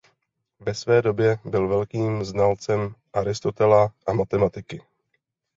Ve své době byl velkým znalcem Aristotela a matematiky.